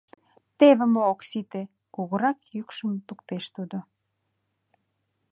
— Теве мо ок сите! — кугурак йӱкшым луктеш тудо.